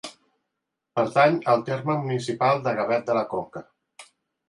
Pertany al terme municipal de Gavet de la Conca.